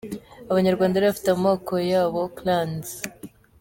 Abanyarwanda bari bafite amoko yabo ‘Clans’.